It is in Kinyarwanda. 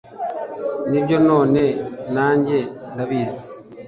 nibyo, none nanjye ndabizi. ...